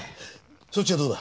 そっちはどうだ？